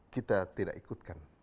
kita tidak ikutkan